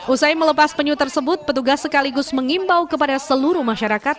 usai melepas penyu tersebut petugas sekaligus mengimbau kepada seluruh masyarakat